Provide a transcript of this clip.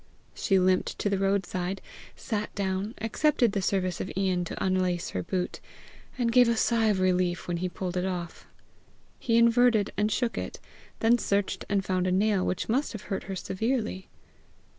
She limped to the road side, sat down, accepted the service of Ian to unlace her boot, and gave a sigh of relief when he pulled it off. He inverted and shook it, then searched and found a nail which must have hurt her severely.